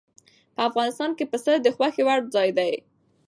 په افغانستان کې پسه د خوښې وړ ځای دی.